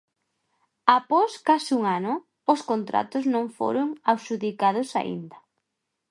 Após case un ano, os contratos non foron adxudicados aínda.